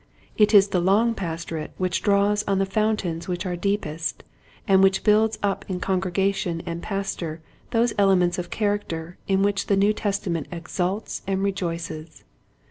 It is the long pastorate which draws on the fountains which are deepest and which builds up in congregation and pastor those elements of character in which the New Testament exults and rejoices.